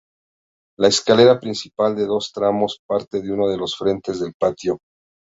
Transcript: La escalera principal de dos tramos parte de uno de los frentes del patio.